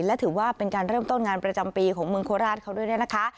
และถือว่าเป็นการเริ่มต้นงานประจำปีของเมืองโคราชเขาด้วยเนี่ยนะคะ